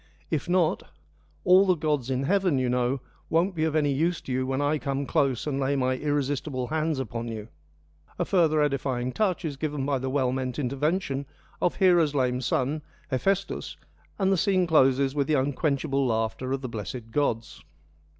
If not, ' All the gods in heaven, you know, won't be of any use to you when I come close and lay my irresistible hands upon you.' A further edifying touch is given by the well meant intervention of Hera's lame son, Hephaestus, and the scene closes with the unquenchable laughter of the blessed gods.